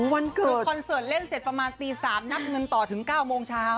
วันเกิดคอนเสิร์ตเล่นเสร็จประมาณตี๓นับเงินต่อถึง๙โมงเช้า